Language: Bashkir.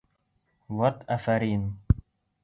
Вәт, афарин!